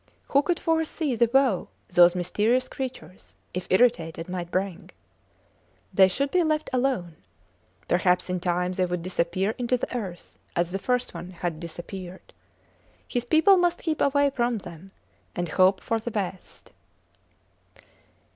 Who could foresee the woe those mysterious creatures, if irritated, might bring? They should be left alone. Perhaps in time they would disappear into the earth as the first one had disappeared. His people must keep away from them, and hope for the best.